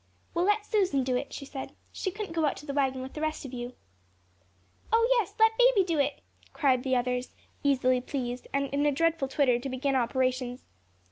"We'll let Susan do it," she said; "she couldn't go out to the wagon with the rest of you." "Oh, yes, let baby do it," cried the others, easily pleased, and in a dreadful twitter to begin operations.